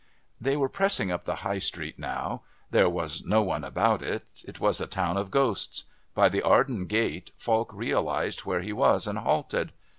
They were pressing up the High Street now. There was no one about. It was a town of ghosts. By the Arden Gate Falk realised where he was and halted.